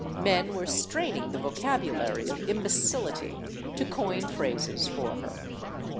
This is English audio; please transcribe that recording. Men were strain ing the vocabulary of imbecility to coin phrases for her.